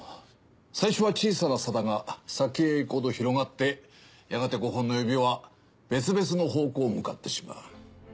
最初は小さな差だが先へ行くほど広がってやがて５本の指は別々の方向に向かってしまう。